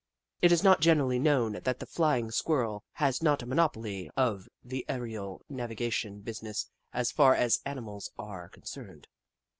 It is not generally known that the Flying Squirrel has not a monopoly of the aerial naviofation business as far as mammals are concerned.